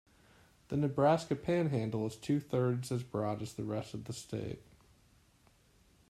The Nebraska panhandle is two-thirds as broad as the rest of the state.